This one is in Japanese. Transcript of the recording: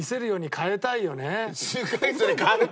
変えたい。